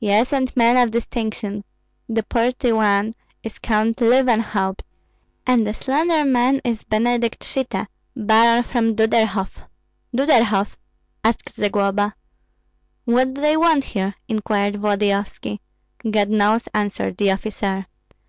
"Yes, and men of distinction. The portly one is Count Löwenhaupt, and the slender man is Benedikt Schitte, Baron von Duderhoff." "Duderhoff?" asked Zagloba. "What do they want here?" inquired Volodyovski. "God knows!" answered the officer.